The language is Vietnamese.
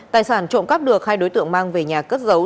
tài sản trộm cắp được hai đối tượng mang về nhà cất giấu